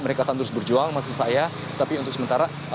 mereka akan terus berjuang maksud saya tapi untuk sementara